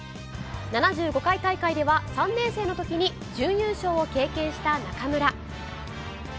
７５回大会では、３年生のときに準優勝を経験した中村。